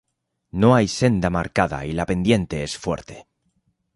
No hay senda marcada y la pendiente es fuerte.